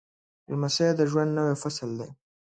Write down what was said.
لمسی د ژوند نوی فصل دی.